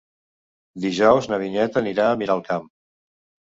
Dijous na Vinyet anirà a Miralcamp.